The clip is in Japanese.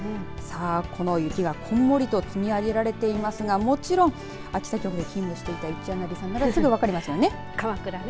この雪はこんもりと積み上げられていますがもちろん秋田県に勤務していた方なら分かりますね。